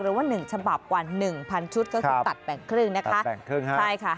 หรือว่าหนึ่งฉบับกว่าหนึ่งพันชุดคือตัดแปลกครึ่งนะคะใช่ค่ะตัดแปลกครึ่ง